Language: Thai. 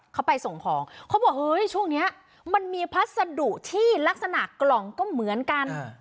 เขาไปส่งของเขาบอกเฮ้ยช่วงนี้มันมีพัสดุที่ลักษณะกล่องก็เหมือนกัน